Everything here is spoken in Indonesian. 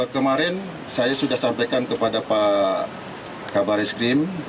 kemarin saya sudah sampaikan kepada pak kabaris krim